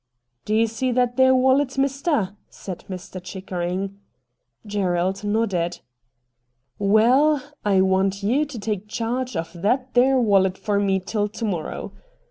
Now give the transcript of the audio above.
'D'ye see that there wallet, mister?' said Mr. Chickering. Gerald nodded. ' Waal, I want you to take charge of that there wallet for me till to morrow.